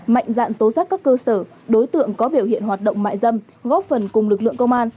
mạnh dạn tố giác các cơ sở đối tượng có biểu hiện hoạt động mại dâm góp phần cùng lực lượng công an